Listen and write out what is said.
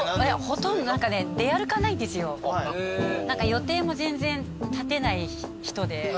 予定も全然立てない人で。